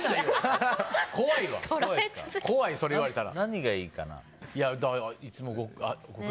怖い、それ言われたら。